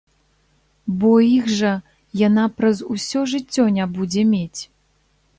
Бо іх жа яна праз усё жыццё не будзе мець.